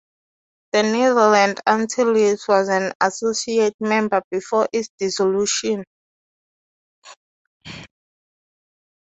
The Netherland Antilles was an associate member before its dissolution.